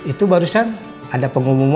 itu barusan ada pengumuman